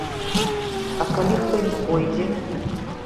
А калі хто не пойдзе?